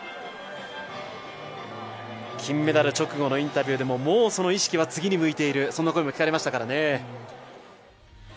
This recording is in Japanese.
金メダル直後のインタビューでも、もうその意識は次に向いているという越えも聞かれましたらかね。